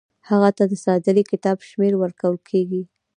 هغه ته د صادرې کتاب شمیره ورکول کیږي.